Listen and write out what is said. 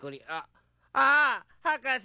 あはかせ！